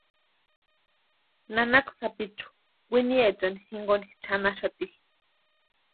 Nanaka sapichu kwiniechani jinkoni chʼanaxati.